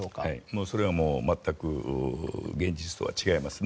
それはもう全く現実とは違いますね。